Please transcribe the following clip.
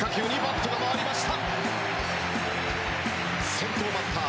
先頭バッター